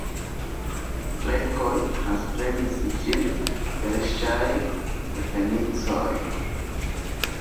Grekoj transprenis ĝin verŝajne de fenicoj.